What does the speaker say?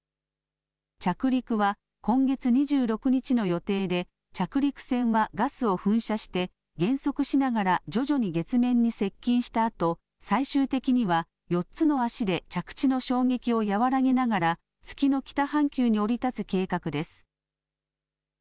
着陸は今月２６日の予定で着陸船はガスを噴射して減速しながら徐々に月面に接近したあと最終的には４つの脚で着地の衝撃を和らげながら月の北半球に降り立つ計画です。